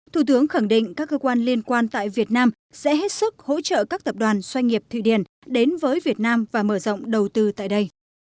thủ tướng khẳng định các cơ quan liên quan tại việt nam sẽ hết sức hỗ trợ các tập đoàn doanh nghiệp thụy điển đến với việt nam và mở rộng đầu tư tại đây